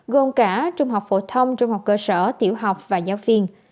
gồm cả trung học phổ thông trung học cơ sở tiểu học và giáo viên